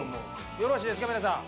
よろしいですか皆さん。